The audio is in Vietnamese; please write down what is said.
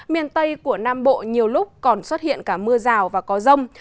miền tây của nam bộ nhiều lúc còn xuất hiện cả mưa rào và có rông